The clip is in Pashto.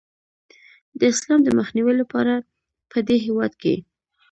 د اسلام د مخنیوي لپاره پدې هیواد کې